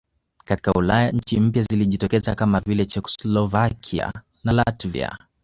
Katika Ulaya nchi mpya zilijitokeza kama vile Chekoslovakia na Latvia